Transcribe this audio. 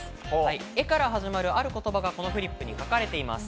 「エ」から始まるある言葉がこのフリップに書かれています。